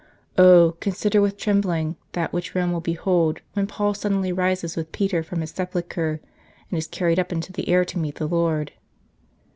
Oh, consider with trembling that which Rome will behold when Paul suddenly rises with Peter from this sepulchre, and is carried up into the air to meet the Lord